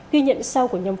ghi nhận sau của nhóm cháy